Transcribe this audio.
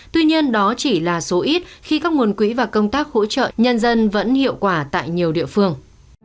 tuy nhiên đó chỉ là số ít khi các nguồn quỹ và công tác hỗ trợ nhân dân vẫn hiệu quả tại nhiều địa phương